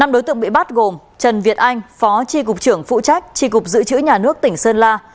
năm đối tượng bị bắt gồm trần việt anh phó tri cục trưởng phụ trách tri cục dự trữ nhà nước tỉnh sơn la